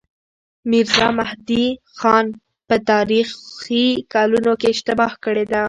ميرزا مهدي خان په تاريخي کلونو کې اشتباه کړې ده.